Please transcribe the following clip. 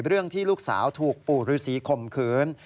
เรื่องที่ลูกสาวถูกปู่ฤษีข่มขืน